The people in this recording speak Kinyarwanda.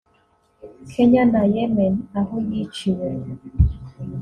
Kenya na Yemen aho yiciwe